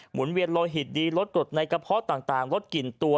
เวียนโลหิตดีลดกรดในกระเพาะต่างลดกลิ่นตัว